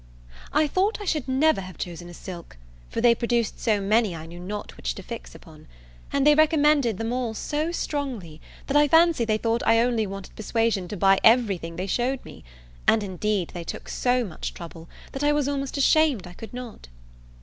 I thought I should never have chosen a silk: for they produced so many, I knew not which to fix upon; and they recommended them all so strongly, that I fancy they thought I only wanted persuasion to buy every thing they showed me. And, indeed, they took so much trouble, that I was almost ashamed I could not.